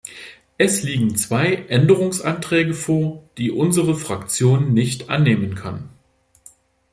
Es liegen zwei Änderungsanträge vor, die unsere Fraktion nicht annehmen kann.